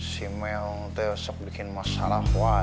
si mel tuh bikin masalah woy ini